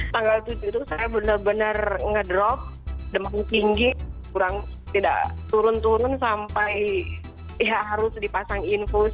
tanggal tujuh itu saya benar benar ngedrop demam tinggi kurang tidak turun turun sampai ya harus dipasang infus